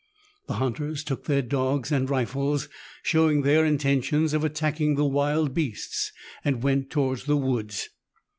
The hunters took their dogs and rifles, showing their intention of attacking the wild beasts, and went towards the woods.